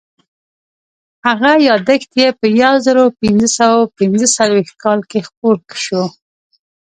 هغه یادښت یې په یو زرو پینځه سوه پینځه څلوېښت کال کې خپور شو.